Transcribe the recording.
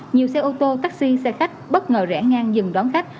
nhiều xe ô tô taxi xe khách bất ngờ rẽ ngang dừng đón khách